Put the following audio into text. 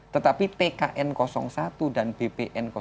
tetapi tkn satu dan bpn dua lah